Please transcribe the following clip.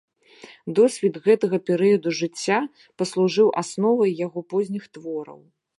Досвед гэтага перыяду жыцця паслужыў асновай яго позніх твораў.